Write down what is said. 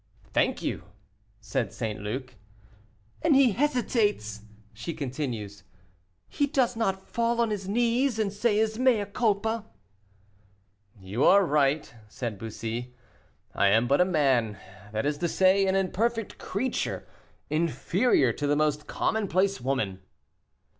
"Thank you!" said St. Luc. "And he hesitates!" continued she, "he does not fall on his knees and say his mea culpa." "You are right," said Bussy, "I am but a man, that is to say, an imperfect creature, inferior to the most commonplace woman."